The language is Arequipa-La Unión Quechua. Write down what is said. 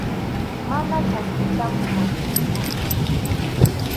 Mana chaskiyta munankuchu.